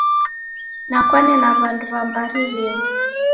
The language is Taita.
Nakwane na w'andu w'a mbari rimu.